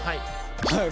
はい。